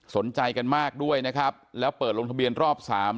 สนใจกันมากด้วยนะครับแล้วเปิดลงทะเบียนรอบสาม